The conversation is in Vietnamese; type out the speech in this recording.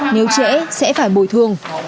nếu trễ sẽ phải bồi thương